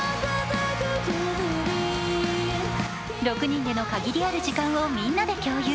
６人での限りある時間をみんなで共有。